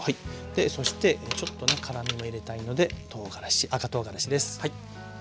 でそしてちょっとね辛みも入れたいのでとうがらし赤とうがらしです。